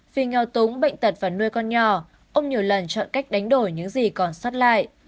vì ngao túng bệnh tật và nuôi con nhỏ ông nhiều lần chọn cách đánh đổi những gì còn xót lại